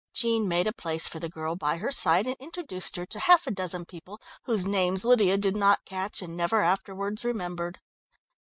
Jean made a place for the girl by her side and introduced her to half a dozen people whose names Lydia did not catch, and never afterwards remembered.